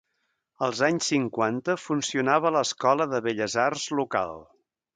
Als anys cinquanta, funcionava l'Escola de Belles Arts local.